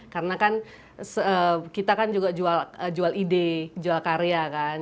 karena kan kita kan juga jual ide jual karya kan